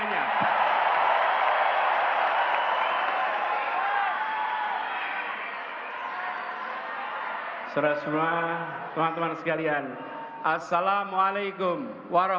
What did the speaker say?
yang paling jauh dari mana